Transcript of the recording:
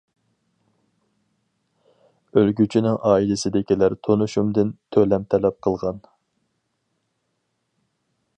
ئۆلگۈچىنىڭ ئائىلىسىدىكىلەر تونۇشۇمدىن تۆلەم تەلەپ قىلغان.